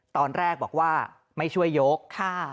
ตอนแรกบอกว่าไม่ช่วยยก